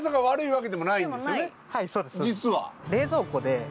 はいそうです。実は。